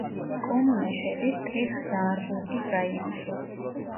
კომუნა შედის ტრირ-ზაარბურგის რაიონში.